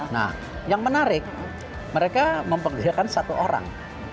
nah yang menarik mereka mempekerjakan satu orang